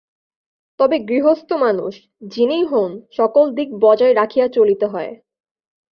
তবে গৃহস্থ মানুষ, যিনিই হউন, সকল দিক বজায় রাখিয়া চলিতে হয়।